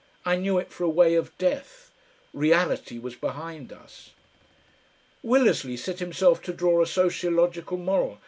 I knew it for a way of death. Reality was behind us. Willersley set himself to draw a sociological moral.